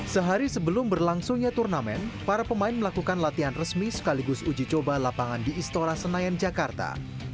sehari sebelum berlangsungnya turnamen para pemain melakukan latihan resmi sekaligus uji coba lapangan di istora senayan jakarta